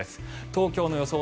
東京の予想